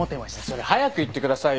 それ早く言ってくださいよ。